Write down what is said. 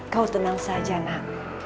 kau tenang saja nak